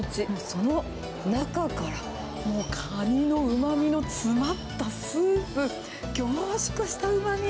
その中から、もうカニのうまみの詰まったスープ、凝縮したうまみ。